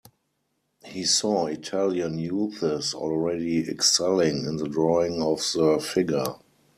He saw Italian youths already excelling in the drawing of the figure.